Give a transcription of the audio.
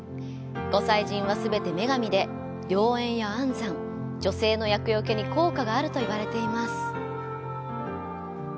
ご祭神は全て女神で良縁や安産、女性の厄よけに効果があるといわれています。